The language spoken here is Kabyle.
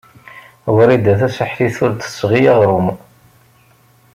Wrida Tasaḥlit ur d-tesɣi aɣrum.